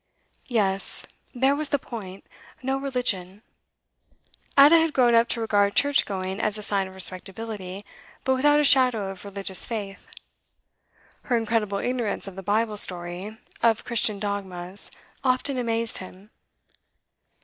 Yes, there was the point no religion. Ada had grown up to regard church going as a sign of respectability, but without a shadow of religious faith. Her incredible ignorance of the Bible story, of Christian dogmas, often amazed him.